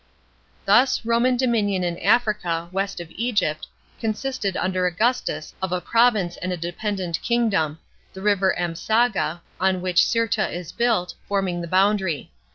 Thus Roman dominion in Africa, west of Egypt, consisted under Augustus of a province and a dej>endent kingdom, the river Ampsaga, on which Cirta is built, forming the boundary.